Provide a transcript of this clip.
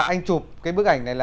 anh chụp bức ảnh này